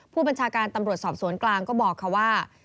ผู้บัญชาการตำรวจสอบสวนกลางก็บอกค่ะว่า